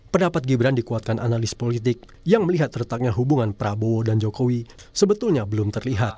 pendapat gibran dikuatkan analis politik yang melihat retaknya hubungan prabowo dan jokowi sebetulnya belum terlihat